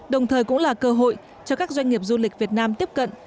đồng thời cũng là cơ hội cho các doanh nghiệp du lịch việt nam tiếp cận